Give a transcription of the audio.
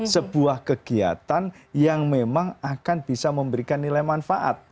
sebuah kegiatan yang memang akan bisa memberikan nilai manfaat